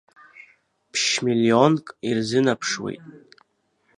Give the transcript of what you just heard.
Ԥшь-миллионк ирзынаԥшуеит.